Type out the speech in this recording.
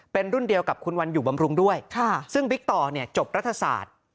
เป็นรุ่นเดียวกับคุณวันอยู่บำรุงด้วยซึ่งบิ๊กต่อเนี่ยจบรัฐศาสตร์